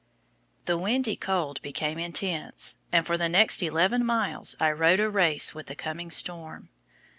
The windy cold became intense, and for the next eleven miles I rode a race with the coming storm.